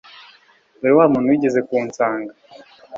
dore wa muntu wigeze kunsanga